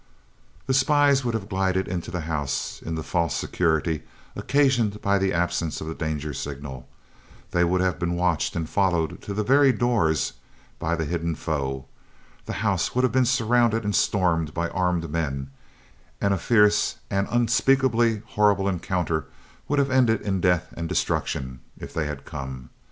The spies would have glided into the house in the false security occasioned by the absence of the danger signal, they would have been watched and followed to the very doors by the hidden foe, the house would have been surrounded and stormed by armed men, and a fierce, an unspeakably horrible encounter would have ended in death and destruction if they had come.